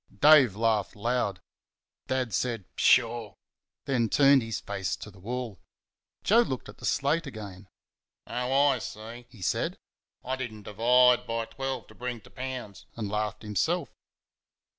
Dave laughed loud. Dad said, "Pshaw!" and turned his face to the wall. Joe looked at the slate again. "Oh! I see," he said, "I did n't divide by twelve t' bring t' pounds," and laughed himself.